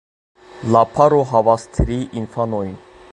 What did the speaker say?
La paro havas tri infanojn.